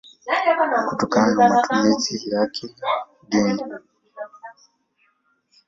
kutokana na matumizi yake ya kidini.